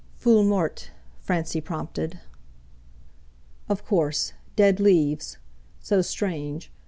"Feuille morte," Francie prompted. "Of course, dead leaves—so strange.